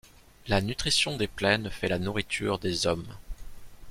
La nutrition des plaines fait la nourriture des hommes.